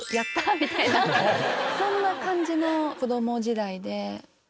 みたいなそんな感じの子供時代で。